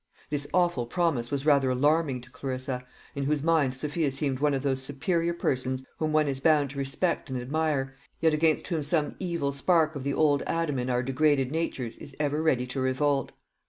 This awful promise was rather alarming to Clarissa, in whose mind Sophia seemed one of those superior persons whom one is bound to respect and admire, yet against whom some evil spark of the old Adam in our degraded natures is ever ready to revolt.